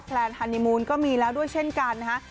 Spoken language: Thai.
แลนฮานีมูลก็มีแล้วด้วยเช่นกันนะฮะ